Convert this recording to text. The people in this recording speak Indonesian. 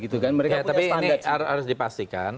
tapi ini harus dipastikan